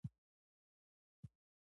دده د سوچ نړۍ یې ګډه وډه کړه او یې مخه کړه.